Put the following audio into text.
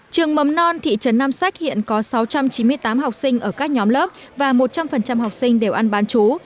trường mầm non thị trấn nam sách hiện có sáu trăm chín mươi tám học sinh ở các nhóm lớp và một trăm linh học sinh đều ăn bán chú